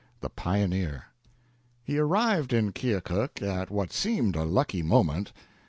THE PIONEER He arrived in Keokuk at what seemed a lucky moment.